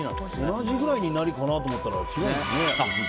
同じぐらいになるかなと思ったら違うんですね。